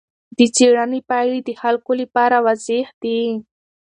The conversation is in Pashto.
د څېړنې پایلې د خلکو لپاره واضح دي.